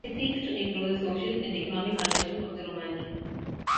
It seeks to improve the social and economic condition of the Romani.